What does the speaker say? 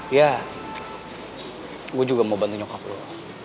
iya gua juga mau bantu nyokap lo